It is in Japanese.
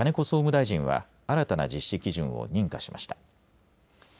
総務大臣は新たな実施基準を認可しました。